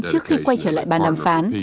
trước khi quay trở lại bàn đàm phán